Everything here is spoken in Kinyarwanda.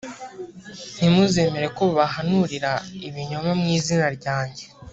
ntimuzemere ko babahanurira ibinyoma mu izina ryanjye